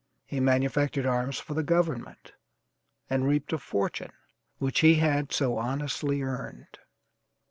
He manufactured arms for the government, and reaped a fortune which he had so honestly earned.